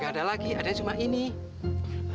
buset dah kagak ada yang lebih jelek lagi apa